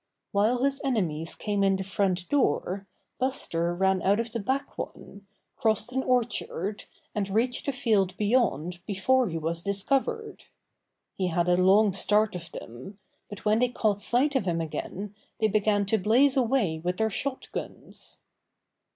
While his enemies came in the front door, Buster ran out of the back one, crossed an orchard, and reached a field beyond before he was discovered. He had a long start of them, but when they caught sight of him again they began to blaze away with their shot guns.